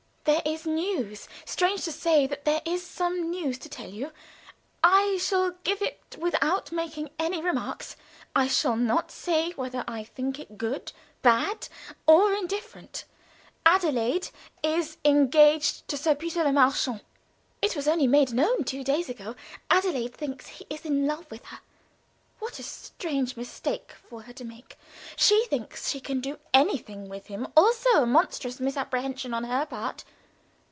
"There is news, strange to say that there is some news to tell you. I shall give it without making any remarks. I shall not say whether I think it good, bad, or indifferent. Adelaide is engaged to Sir Peter Le Marchant. It was only made known two days ago. Adelaide thinks he is in love with her. What a strange mistake for her to make! She thinks she can do anything with him. Also a monstrous misapprehension on her part.